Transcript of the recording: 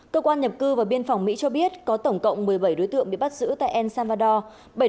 cơ quan nhập cư và biên phòng mỹ cho biết có tổng cộng một mươi bảy đối tượng bị bắt giữ tại el salvador